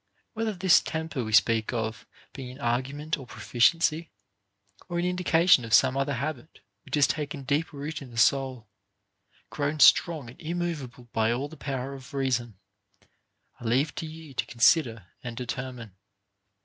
Whether this temper Ave speak of be an argument of proficiency, or an indication of some other habit which has taken deep root in the soul, grown strong and immovable by all the power of reason, I leave to you to consider and determine.